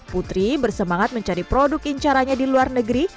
putri bersemangat mencari produk incaranya di luar negeri